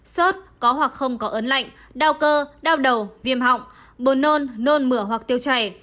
sốt có hoặc không có ớn lạnh đau cơ đau đầu viêm họng buồn nôn nôn mửa hoặc tiêu chảy